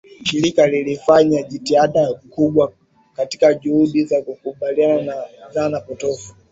shirika lilifanya jitihada kubwa katika juhudi za kukabiliana na dhana potofu